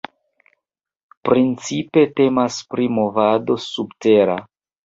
Principe temas pri movado "subtera".